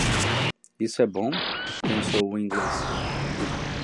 Isso é bom? pensou o inglês.